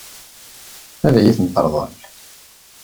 Ad iyi-ten-teṛḍel?